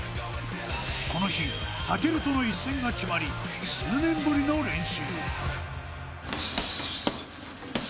この日、武尊との一戦が決まり、数年ぶりの練習。